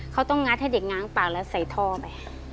เขาต้องงัดให้เด็กง้างปากแล้วใส่ท่อไป